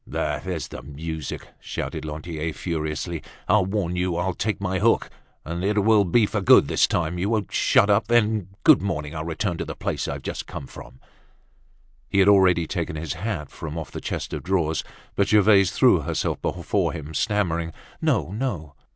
"Ah! there's the music!" shouted Lantier furiously. "I warn you, I'll take my hook! And it will be for good, this time. You won't shut up? Then, good morning! I'll return to the place I've just come from." He had already taken his hat from off the chest of drawers. But Gervaise threw herself before him, stammering: "No, no!"